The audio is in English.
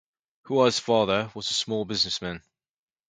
Hua's father was a small businessman.